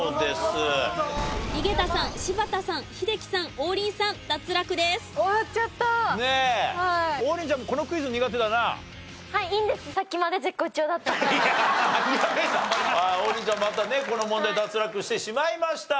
王林ちゃんまたねこの問題脱落してしまいました。